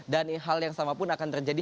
dan hal yang sama pun akan terjadi